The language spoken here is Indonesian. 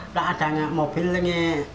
pak ada mobil ini